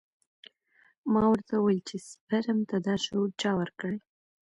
ما ورته وويل چې سپرم ته دا شعور چا ورکړى.